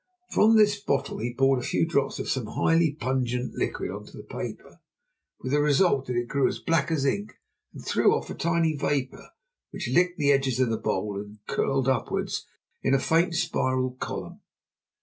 From this bottle he poured a few drops of some highly pungent liquid on to the paper, with the result that it grew black as ink and threw off a tiny vapour, which licked the edges of the bowl and curled upwards in a faint spiral column.